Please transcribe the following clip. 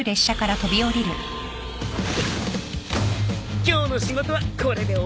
今日の仕事はこれで終わりっと！